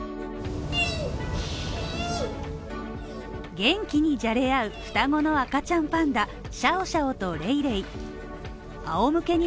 元気にじゃれ合う双子の赤ちゃんパンダ、シャオシャオとレイレイ。